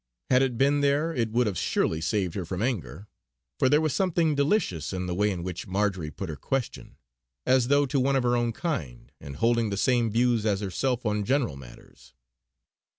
Had it been there it would have surely saved her from anger; for there was something delicious in the way in which Marjory put her question, as though to one of her own kind and holding the same views as herself on general matters.